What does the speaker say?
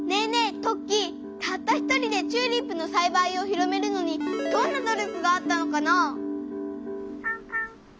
トッキーたった１人でチューリップのさいばいを広めるのにどんな努力があったのかな？